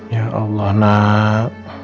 ya allah nak